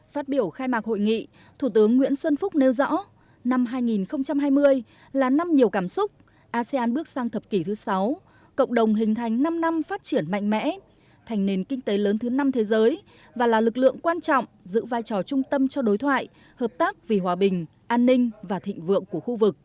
phát biểu khai mạc hội nghị thủ tướng nguyễn xuân phúc nêu rõ năm hai nghìn hai mươi là năm nhiều cảm xúc asean bước sang thập kỷ thứ sáu cộng đồng hình thành năm năm phát triển mạnh mẽ thành nền kinh tế lớn thứ năm thế giới và là lực lượng quan trọng giữ vai trò trung tâm cho đối thoại hợp tác vì hòa bình an ninh và thịnh vượng của khu vực